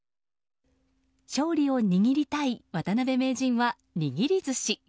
勝利を握りたい渡辺名人は握りずし。